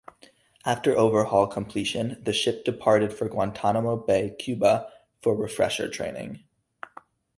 After overhaul completion the ship departed for Guantanamo Bay, Cuba for refresher training.